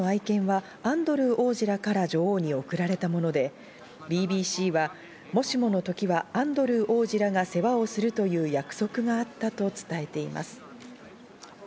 これらの愛犬はアンドルー王子らから女王に贈られたもので、ＢＢＣは、もしもの時はアンドルー王子らが世話をするという約束があったと伝えています。